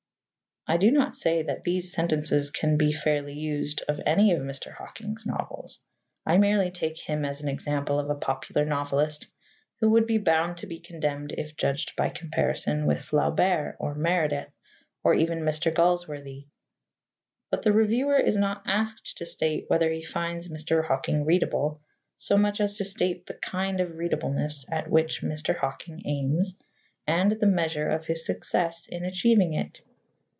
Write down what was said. I do not say that these sentences can be fairly used of any of Mr. Hocking's novels. I merely take him as an example of a popular novelist who would be bound to be condemned if judged by comparison with Flaubert or Meredith or even Mr. Galsworthy. But the reviewer is not asked to state whether he finds Mr. Hocking readable so much as to state the kind of readableness at which Mr. Hocking aims and the measure of his success in achieving it.